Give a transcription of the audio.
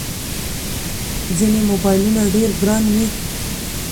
ځینې موبایلونه ډېر ګران وي.